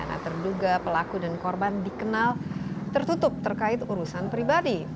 nah terduga pelaku dan korban dikenal tertutup terkait urusan pribadi